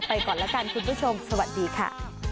ก่อนละกันคุณผู้ชมสวัสดีค่ะ